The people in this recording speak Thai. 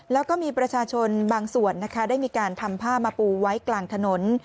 แล้วก็มีประชาชนบางส่วนนะคะได้มีการทำผ้ามาปูไว้กลางถนน